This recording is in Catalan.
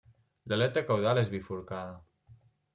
L'aleta caudal és bifurcada.